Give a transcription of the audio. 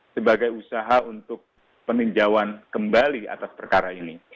sebagai usaha untuk peninjauan kembali atas perkara ini